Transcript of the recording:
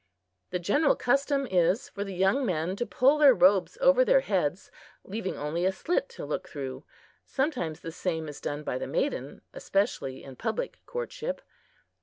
The general custom is for the young men to pull their robes over their heads, leaving only a slit to look through. Sometimes the same is done by the maiden especially in public courtship.